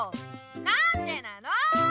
なんでなの！